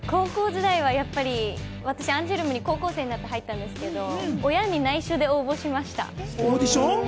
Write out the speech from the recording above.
やっぱり私、アンジュルムに高校生になってから入ったんですが、親に内緒で入りました。